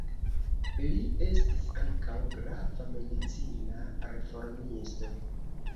Li estis ankaŭ grava medicina reformisto.